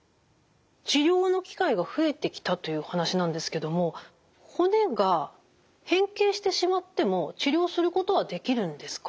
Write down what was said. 治療の機会が増えてきたという話なんですけども骨が変形してしまっても治療することはできるんですか？